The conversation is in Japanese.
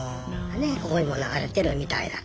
ここにも流れてるみたいだと。